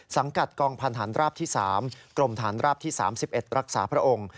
สังกัดกองพันธานราบที่๓กรมฐานราบที่๓๑รักษาพระองค์